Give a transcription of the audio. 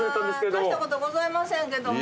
大したことございませんけども。